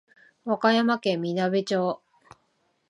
和歌山県みなべ町